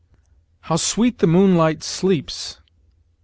"How sweet the moonlight sleeps!"